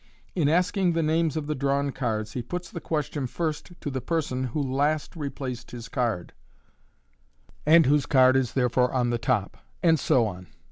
In asking the names of the drawn cards, he puts the question first to the person who last replaced his card (and whose card is therefore on the top), and so on.